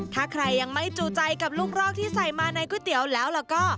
ถ้าใครยังไม่จูใจกับลูกรอกที่ใส่มาในก๋วยเตี๋ยวแล้วแล้วก็